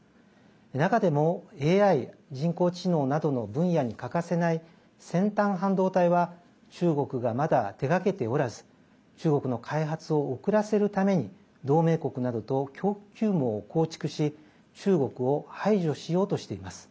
中でもＡＩ＝人工知能などの分野に欠かせない先端半導体は中国がまだ手がけておらず中国の開発を遅らせるために同盟国などと供給網を構築し中国を排除しようとしています。